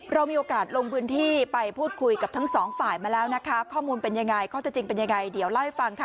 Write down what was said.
เรามีโอกาสลงพื้นที่ไปพูดคุยกับทั้งสองฝ่ายมาแล้วนะคะข้อมูลเป็นยังไงข้อเท็จจริงเป็นยังไงเดี๋ยวเล่าให้ฟังค่ะ